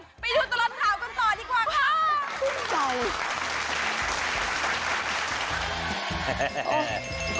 งั้นเลิกร้องเผลยไปดูตรงอันข่ากันต่อดีกว่าครับ